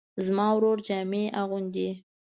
زما ورور جامې اغوندي